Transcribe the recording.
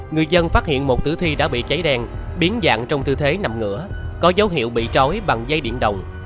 người dân phát hiện một tử thi đã bị cháy đen biến dạng trong tư thế nằm ngửa có dấu hiệu bị trói bằng dây điện đồng